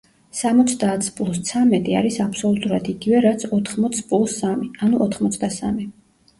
სამოცდაათს პლუს ცამეტი არის აბსოლუტურად იგივე რაც ოთხმოცს პლუს სამი, ანუ ოთხმოცდასამი.